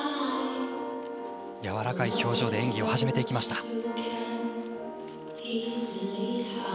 やわらかい表情で演技を始めていきました。